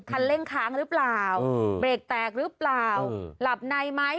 เล่งค้างหรือเปล่าเบรกแตกหรือเปล่าหลับในไหม